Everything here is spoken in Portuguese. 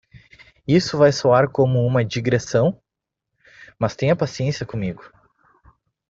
Isso vai soar como uma digressão?, mas tenha paciência comigo.